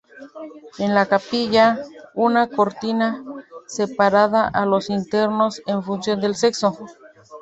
En la capilla, una cortina separaba a los internos en función del sexo.